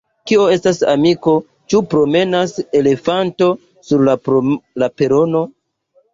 Kio estas, amiko, ĉu promenas elefanto sur la perono?